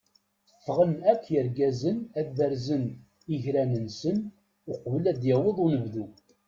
Ffɣen akk yergazen ad berzen igran-nsen uqbel ad d-yaweḍ unebdu.